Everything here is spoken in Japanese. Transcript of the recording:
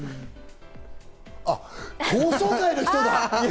あっ、高層階の人だ！